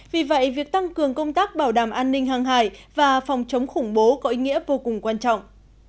vì vậy việc tăng cường công tác bảo đảm an ninh hàng hải và phòng chống khủng bố có ý nghĩa vô cùng quan trọng